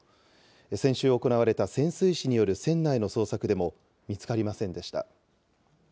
先週行われた潜水士による船内の捜索でも見つかりませんでした。